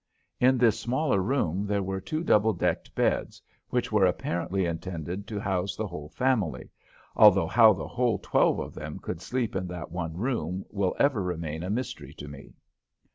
In this smaller room there were two double decked beds, which were apparently intended to house the whole family, although how the whole twelve of them could sleep in that one room will ever remain a mystery to me.